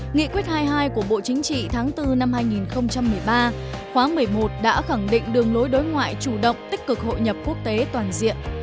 nghị quyết hai mươi hai của bộ chính trị tháng bốn năm hai nghìn một mươi ba khóa một mươi một đã khẳng định đường lối đối ngoại chủ động tích cực hội nhập quốc tế toàn diện